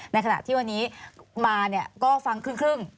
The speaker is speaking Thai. ในขณะที่วันนี้มาก็ฟังครึ่ง